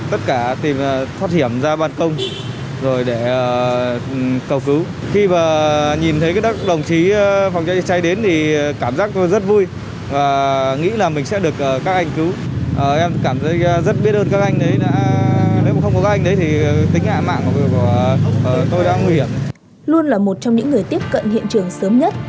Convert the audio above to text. anh khuê là một trong những người tiếp cận hiện trường sớm nhất